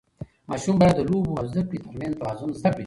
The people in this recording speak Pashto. ماشوم باید د لوبو او زده کړې ترمنځ توازن زده کړي.